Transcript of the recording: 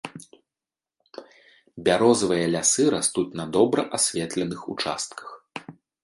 Бярозавыя лясы растуць на добра асветленых участках.